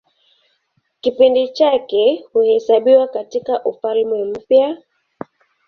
Kipindi chake huhesabiwa katIka Ufalme Mpya.